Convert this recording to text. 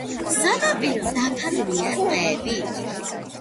სანაპირო დაფარულია ტყეებით.